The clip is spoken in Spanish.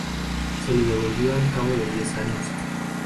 Se le devolvió al cabo de diez años.